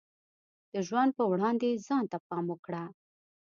د ژوند په وړاندې ځان ته پام وکړه.